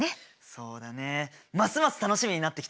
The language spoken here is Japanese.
そうだねますます楽しみになってきたね！